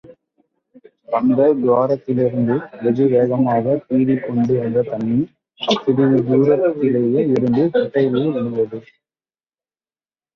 அந்தத் துவாரத்திலிருந்து, வெகு வேகமாகப் பீறிக் கொண்டு வந்த தண்ணி, சிறிது தூரத்திலே இருந்த குட்டையிலே விழுந்தது.